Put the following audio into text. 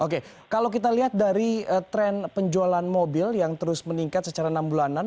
oke kalau kita lihat dari tren penjualan mobil yang terus meningkat secara enam bulanan